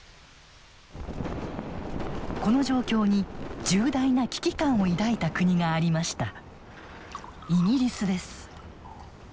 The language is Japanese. この状況に重大な危機感を抱いた国がありました。